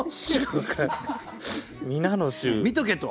見とけと。